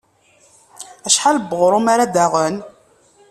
Acḥal n weɣrum ara d-aɣen?